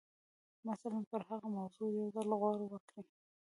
مثلاً پر هغه موضوع یو ځل غور وکړئ